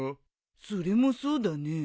それもそうだね。